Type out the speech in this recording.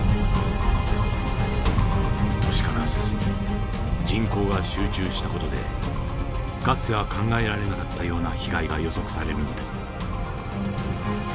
都市化が進み人口が集中した事でかつては考えられなかったような被害が予測されるのです。